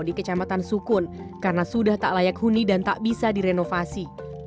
di kecamatan sukun karena sudah tak layak huni dan tak bisa direnovasi